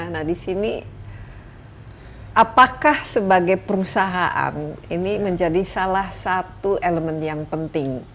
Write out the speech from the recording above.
nah di sini apakah sebagai perusahaan ini menjadi salah satu elemen yang penting